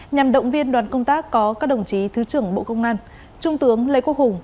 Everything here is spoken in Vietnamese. nhằm động viên đoàn công tác có các đồng chí thứ trưởng bộ công an trung tướng lê quốc hùng